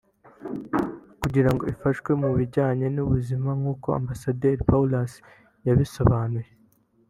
kugirango ifashe mu bijyanye n’ubuzima nk’uko Ambasaderi Pauwels yabisobanuye